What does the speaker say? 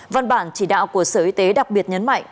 văn bản chỉ đạo của sở y tế đặc biệt nhấn mạnh